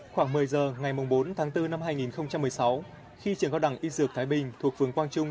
khoảng một mươi giờ ngày bốn tháng bốn năm hai nghìn một mươi sáu khi trường cao đẳng y dược thái bình thuộc phường quang trung